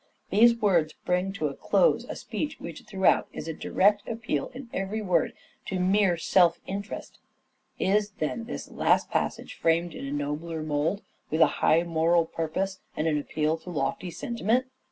These words bring to a close a speech which, throughout, is a direct appeal in every word to mere self interest. Is, then, this last passage framed in a nobler mould with a high moral purpose and an appeal to lofty sentiment